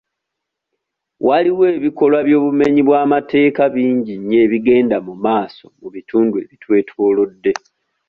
Waliwo ebikolwa by'obumenyi bwa'amateeka bingi nnyo ebigenda mu maaso mu bitundu ebitwetoolodde.